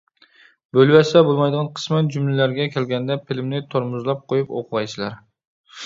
بۆلۈۋەتسە بولمايدىغان قىسمەن جۈملىلەرگە كەلگەندە، فىلىمنى تورمۇزلاپ قويۇپ ئوقۇغايسىلەر.